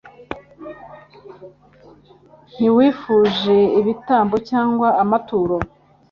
Ntiwifuje ibitambo cyangwa amaturo